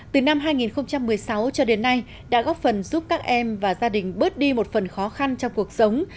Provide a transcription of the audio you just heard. từ năm hai nghìn một mươi sáu cho đến nay đã góp phần giúp các em và gia đình bớt đi một phần khó khăn trong cuộc sống